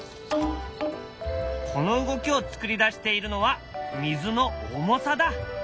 この動きを作り出しているのは水の重さだ。